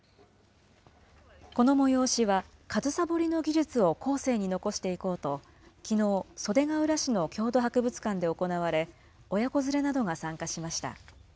この催しは、上総掘りの技術を後世に残していこうと、きのう、袖ケ浦市の郷土博物館で行われ、親子連れなどが参加しました。